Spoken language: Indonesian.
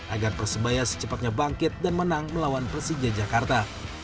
agar persebaya secepatnya bangkit dan menang melawan persija jakarta